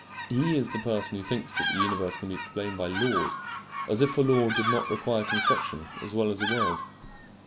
He is the person who thinks that the universe can be explained by laws, as if a law did not require construction as well as a world!